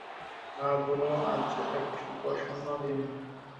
না, বুনু, আজ এক সুপ্রসন্ন দিন।